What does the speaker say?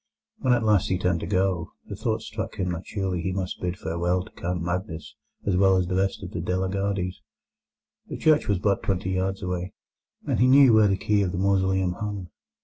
When at last he turned to go, the thought struck him that surely he must bid farewell to Count Magnus as well as the rest of the De la Gardies. The church was but twenty yards away, and he knew where the key of the mausoleum hung.